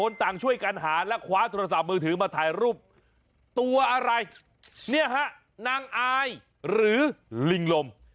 นางอายหรือลิงลม